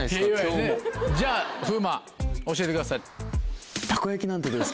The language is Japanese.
じゃあ風磨教えてください。